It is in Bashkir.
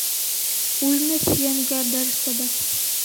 Үлмәҫ йәнгә бер сәбәп.